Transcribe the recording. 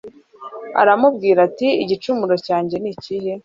aramubwira ati igicumuro cyanjye ni ikihe